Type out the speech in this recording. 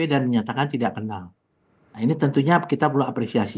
menyatakan tidak kenal nah ini tentunya kita perlu apresiasi